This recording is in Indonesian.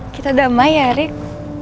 kita damai ya rik